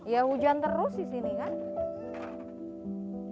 ya hujan terus disini kan